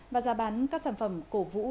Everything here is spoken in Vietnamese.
và ra bán các sản phẩm cổ vũ